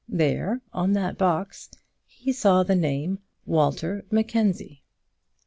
There, on that box, he saw the name of Walter Mackenzie.